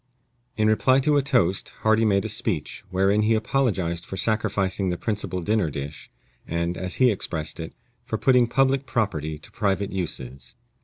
In reply to a toast, Hardy made a speech, wherein he apologized for sacrificing the principal dinner dish, and, as he expressed it, for putting public property to private uses.